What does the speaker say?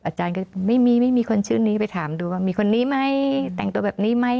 อาจารย์ก็ไม่มีไม่มีคนชื่อนี้ไปถามดูว่ามีคนนี้ไหมแต่งตัวแบบนี้ไหม